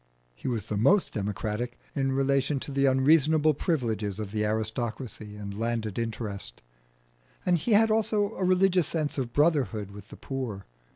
He was the most democratic in relation to the unreasonable privileges of the aristocracy and landed interest; and he had also a religious sense of brotherhood with the poor.